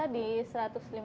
berlangsung berapa lama